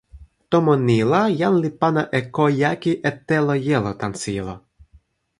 tomo ni la jan li pana e ko jaki e telo jelo tan sijelo.